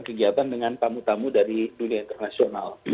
kegiatan dengan tamu tamu dari dunia internasional